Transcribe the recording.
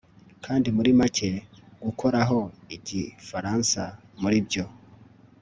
Kandi muri make gukoraho igifaransa muribyo